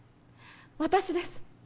私です